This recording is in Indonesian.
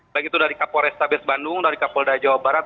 baik itu dari kapolres tabes bandung dari kapolda jawa barat